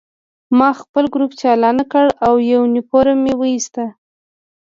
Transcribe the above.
ما خپل ګروپ چالان کړ او یونیفورم مې وویست